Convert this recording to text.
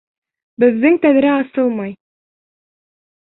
Беҙҙең тәҙрә асылмай!